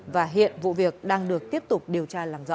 và hiện vụ việc đang được tiếp tục điều tra làm rõ